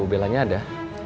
bu bellanya ada